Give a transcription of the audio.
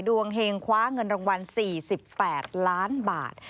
เฮงคว้าเงินรางวัล๔๘ล้านบาท